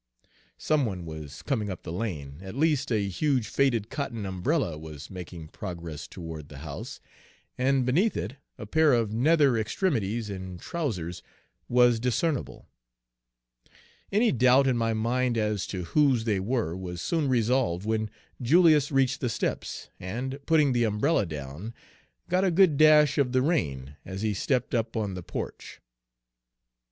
Some one was coming up the lane; at least, a huge faded cotton umbrella was making progress toward the house, and beneath it a pair of nether extremities in trousers was discernible. Any doubt in my mind as to whose they were was soon resolved when Julius reached the steps and, putting the umbrella down, got a good dash of the rain as he stepped up on the porch.